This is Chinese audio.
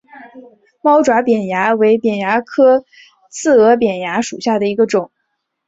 猫爪扁蚜为扁蚜科刺额扁蚜属下的一个种。